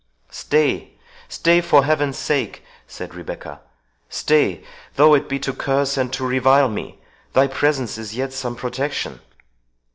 "Stay! stay! for Heaven's sake!" said Rebecca; "stay, though it be to curse and to revile me—thy presence is yet some protection."